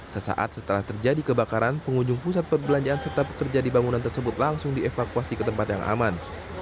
sesaat setelah terjadi kebakaran pengunjung pusat perbelanjaan serta pekerja di bangunan tersebut langsung dievakuasi ke tempat yang aman